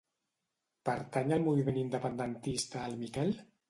Pertany al moviment independentista el Miquel?